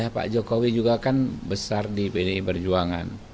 pak jokowi juga kan besar di pdi perjuangan